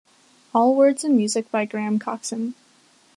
All words and music by Graham Coxon.